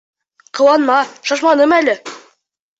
Ҡыуанма, шашманым әле.